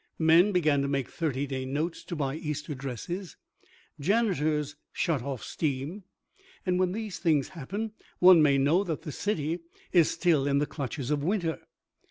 Men began to make thirty day notes to buy Easter dresses. Janitors shut off steam. And when these things happen one may know that the city is still in the clutches of winter.